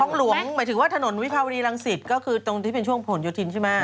หลวงหมายถึงว่าถนนวิภาวดีรังสิตก็คือตรงที่เป็นช่วงผลโยธินใช่ไหม